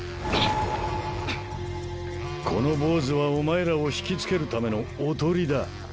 この坊ずはお前らを引きつけるためのおとりだ。